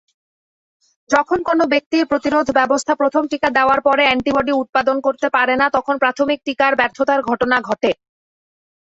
যখন কোনও ব্যক্তির প্রতিরোধ ব্যবস্থা প্রথম টিকা দেওয়ার পরে অ্যান্টিবডি উৎপাদন করতে পারে না তখন প্রাথমিক টিকার ব্যর্থতার ঘটনা ঘটে।